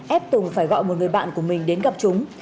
ép tùng phải gọi một người bạn của mình đến gặp chúng